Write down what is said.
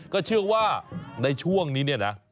ก็เชื่อว่าในช่วงนี้เนี่ยนะ